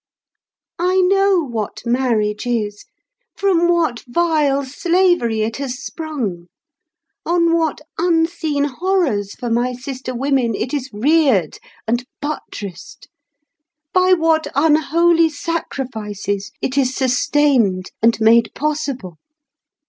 I know what marriage is, from what vile slavery it has sprung; on what unseen horrors for my sister women it is reared and buttressed; by what unholy sacrifices it is sustained, and made possible.